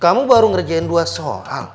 kamu baru ngerjain dua soal